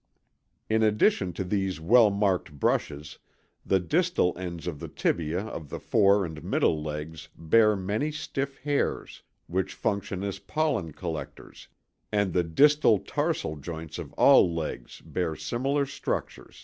In addition to these well marked brushes, the distal ends of the tibiæ of the fore and middle legs bear many stiff hairs, which function as pollen collectors, and the distal tarsal joints of all legs bear similar structures.